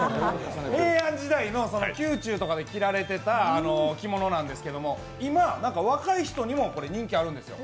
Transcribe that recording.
平安時代の宮中とかで着られていた着物なんですけど、今、若い人にも人気あるんですよ。